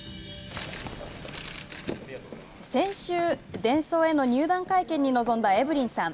先週、デンソーへの入団会見に臨んだエブリンさん。